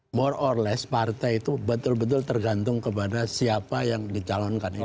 lebih kurang partai itu betul betul tergantung kepada siapa yang dicalonkan ini